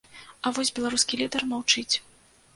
А вось беларускі лідар маўчыць.